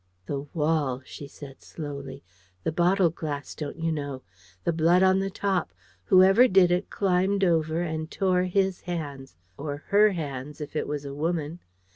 "The wall!" she said slowly. "The bottle glass, don't you know! The blood on the top! Whoever did it, climbed over and tore his hands. Or HER hands, if it was a woman!